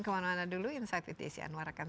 kemana mana dulu insight with desi anwar akan